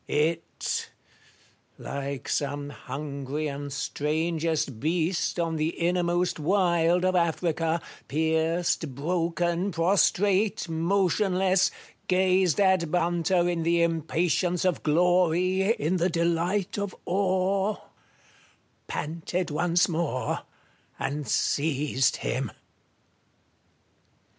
It — like some hungry and strangest beast on the innermost wild of Africa, pierced, broken, prostrate, motionless, gazed at by its hunter in the impatience of glory, in the delight of awe — panted once more, and seized him.